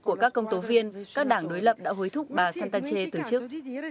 các đảng đối lập đã hối thúc bà santace từ trước